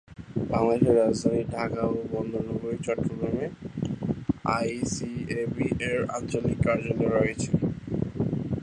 বাংলাদেশের রাজধানী ঢাকা ও বন্দর নগরী চট্টগ্রামে আইসিএবি-এর আঞ্চলিক কার্যালয় রয়েছে।